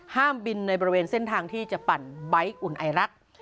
ห้ามบินในบริเวณเส้นทางที่จะปั่นใบ้อุ่นไอรัก